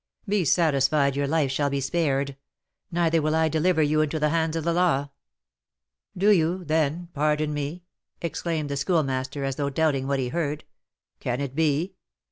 "Be satisfied, your life shall be spared; neither will I deliver you into the hands of the law." "Do you, then, pardon me?" exclaimed the Schoolmaster, as though doubting what he heard. "Can it be?